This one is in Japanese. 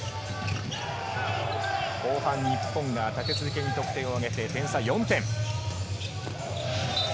後半日本が立て続けに得点をあげ、点差４点。